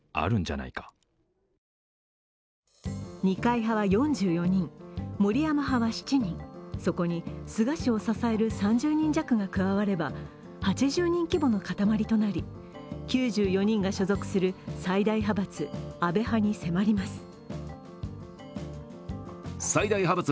二階派は４４人、森山派は７人、そこに菅氏を支える３０人弱が加われば８０人規模の塊となり、９４人が所属する最大派閥、安倍派に迫ります。